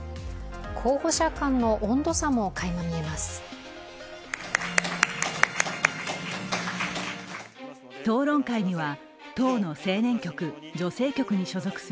候補者間の温度差もかいま見えます。